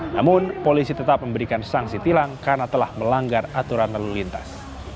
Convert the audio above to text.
namun polisi tetap memberikan sanksi tilang karena telah melanggar aturan lalu lintas